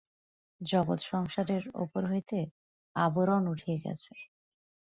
জগৎসংসারের উপর হইতে আবরণ উঠিয়া গেছে।